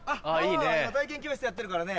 今体験教室やってるからね。